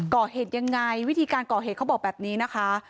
ก่อเหตุยังไงวิธีการก่อเหตุเขาบอกแบบนี้นะคะ